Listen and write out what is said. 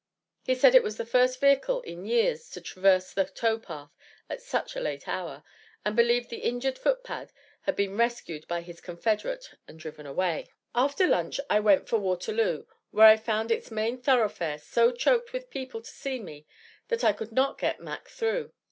He said it was the first vehicle in years to traverse the tow path at such a late hour, and believed the injured footpad had been rescued by his confederate and driven away. After lunch I left for Waterloo, where I found its main thoroughfare so choked with people to see me that I could not get Mac through.